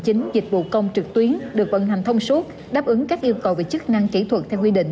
chính dịch vụ công trực tuyến được vận hành thông suốt đáp ứng các yêu cầu về chức năng kỹ thuật theo quy định